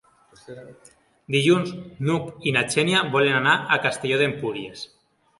Dilluns n'Hug i na Xènia volen anar a Castelló d'Empúries.